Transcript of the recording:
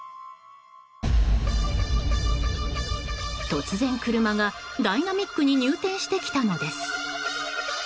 突然、車がダイナミックに入店してきたのです。